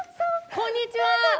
こんにちは。